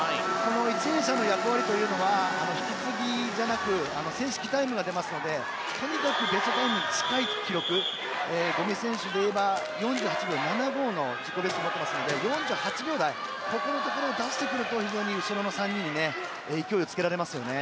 １泳者の役割というのは引き継ぎじゃなく正式タイムが出ますのでとにかくベストタイムに近い記録五味選手でいえば４８秒７５の自己ベストを持っていますので４８秒台ここのところを出してくると後ろの３人に勢いをつけられますよね。